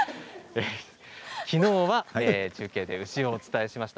きのうは中継で牛をお伝えしました。